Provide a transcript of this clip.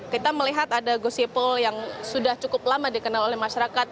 kita melihat ada gusipul yang sudah cukup lama dikenal oleh masyarakat